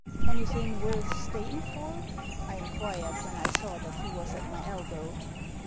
"Anything worth staying for?" I inquired, when I saw that he was at my elbow.